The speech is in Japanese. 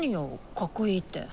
かっこいいって。